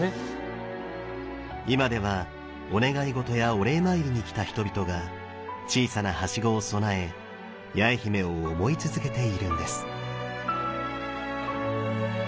今ではお願い事やお礼参りに来た人々が小さなはしごを供え八重姫を思い続けているんです。